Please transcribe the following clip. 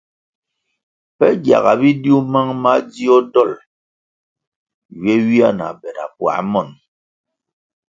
Pe gyaga bidiu mang madzio dolʼ ywe ywia na be na puā monʼ.